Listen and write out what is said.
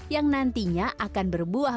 yang nantinya akan diperlukan